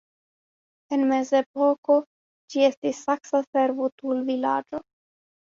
En mezepoko ĝi estis saksa servutulvilaĝo.